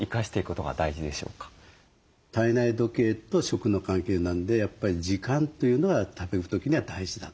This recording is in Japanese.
体内時計と食の関係なんでやっぱり時間というのは食べる時には大事だと。